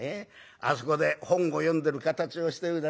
あそこで本を読んでる形をしてるだろ。